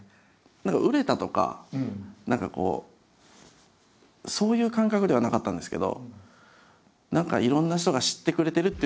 何か売れたとか何かこうそういう感覚ではなかったんですけど何かいろんな人が知ってくれてるっていうのはそこで。